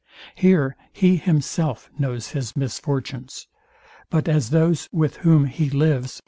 Here he himself knows his misfortunes; but as those, with whom he lives.